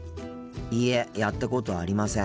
いいえやったことありません。